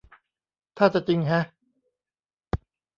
ท่าจะจริงแฮะ